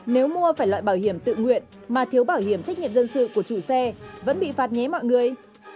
nếu mua phải loại bảo hiểm tự nguyện mà thiếu bảo hiểm trách nhiệm dân sự của chủ xe vẫn bị phạt nhé mọi người